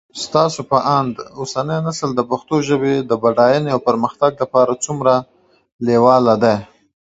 ستاسو په اند اوسنی نسل د پښتو ژبې د بډاینې او پرمختګ لپاره څومره لیواله دی